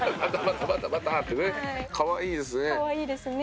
「かわいいですね」